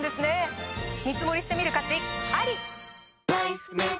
見積りしてみる価値あり！